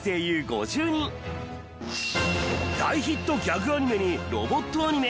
大ヒットギャグアニメにロボットアニメ！